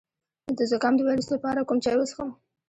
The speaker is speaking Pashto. د زکام د ویروس لپاره کوم چای وڅښم؟